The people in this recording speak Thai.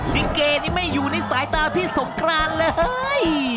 ลิเกนี่ไม่อยู่ในสายตาพี่สงกรานเลย